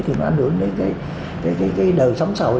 thì nó ảnh hưởng đến cái đời sống xã hội